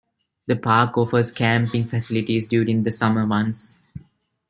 The park offers camping facilities during the summer months.